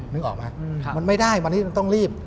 นึกออกไหมมันไม่ได้วันนี้มันต้องรีบ